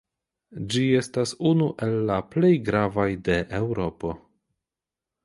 Ĝi estas unu el la plej gravaj de Eŭropo.